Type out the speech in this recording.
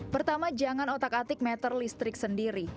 pertama jangan otak atik meter listrik sendiri